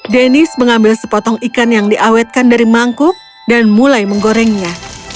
deniz mengambil sepotong ikan yang diawetkan dari mangkuk dan mulai menggorengnya